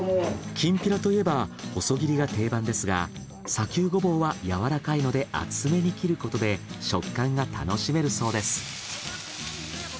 きんぴらといえば細切りが定番ですが砂丘ゴボウはやわらかいので厚めに切ることで食感が楽しめるそうです。